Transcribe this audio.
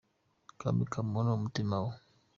Kami ka muntu ni umutima we.